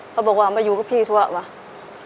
จะบอกว่ามาอยู่กับพี่ทั่วอยู่ดิ